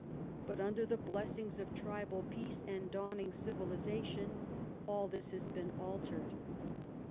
But under the blessings of tribal peace and dawning civilisation, all this has been altered.